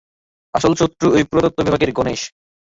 আসল শত্রু ঐ পুরাতত্ত্ব বিভাগের, গ্যানেশ।